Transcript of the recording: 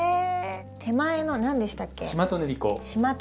手前の何でしたっけ？